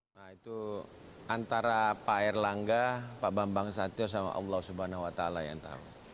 nah itu antara pak erlangga pak bambang satyo sama allah swt yang tahu